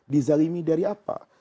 dizalimi dari apa